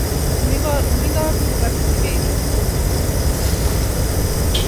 Mringa watumbuka kisimeni.